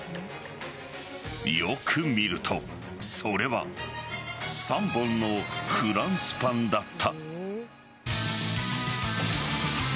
よく見るとそれは３本のフランスパンだった。